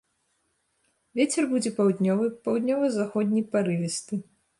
Вецер будзе паўднёвы, паўднёва-заходні парывісты.